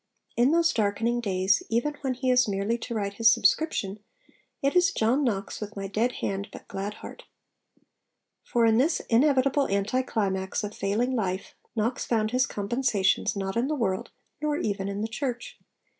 In those darkening days, even when he is merely to write his subscription, it is 'John Knox, with my dead hand but glad heart.' For in this inevitable anti climax of failing life, Knox found his compensations not in the world, nor even in the Church.